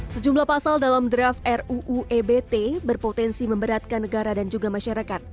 sejumlah pasal dalam draft ruu ebt berpotensi memberatkan negara dan juga masyarakat